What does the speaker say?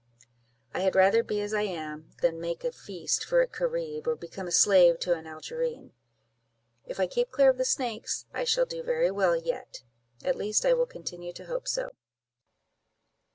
I had rather be as I am, than make a feast for a Carib, or become a slave to an Algerine. If I keep clear of the snakes, I shall do very well yet; at least I will continue to hope so."